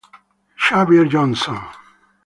Xavier Johnson